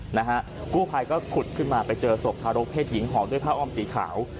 กู้ภัยก็ขุดขึ้นมาไปเจอศพทารกเศษหญิงห่อด้วยผ้าอ้อมสีขาว